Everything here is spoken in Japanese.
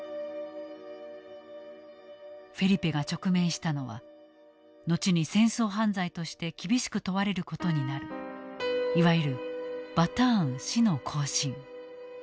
フェリペが直面したのは後に戦争犯罪として厳しく問われることになるいわゆるバターン死の行進。